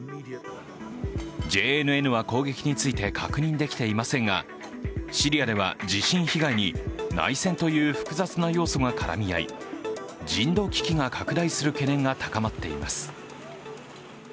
ＪＮＮは攻撃について確認できていませんが、シリアでは地震被害に、内戦という複雑な要素が絡み合い人道危機が拡大する懸念が高まっています。